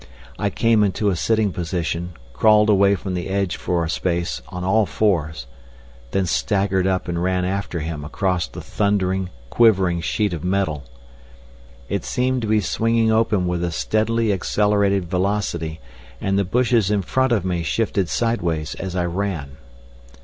I came into a sitting position, crawled away from the edge for a space on all fours, then staggered up and ran after him across the thundering, quivering sheet of metal. It seemed to be swinging open with a steadily accelerated velocity, and the bushes in front of me shifted sideways as I ran.